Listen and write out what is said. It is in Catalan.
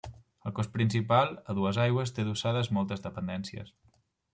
El cos principal, a dues aigües, té adossades moltes dependències.